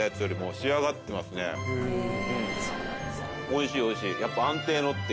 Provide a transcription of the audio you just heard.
おいしいおいしい。